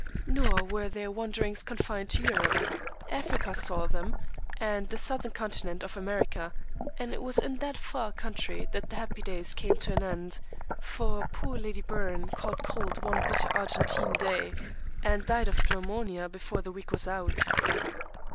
Nor were their wanderings confined to Europe: Africa saw them, and the southern continent of America; and it was in that far country that the happy days came to an end, for poor Lady Byrne caught cold one bitter Argentine day, and died of pneumonia before the week was out.